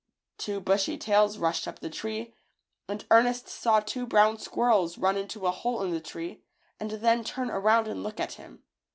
Two bushy tails rushed up the tree, and Ernest saw two brown squirrels run into a hole in the tree and then turn around and look at him.